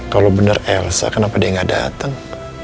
kalau benar elsa kenapa dia gak datang